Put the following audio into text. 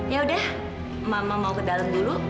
ya udah mama mau ke dalam dulu